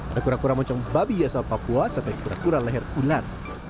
ada kura kura moncong babi ya soal papua sampai kura kura leher ular